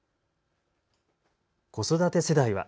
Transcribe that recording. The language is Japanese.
子育て世代は。